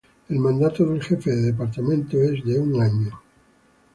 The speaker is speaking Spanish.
El mandato del jefe de departamento es de un año.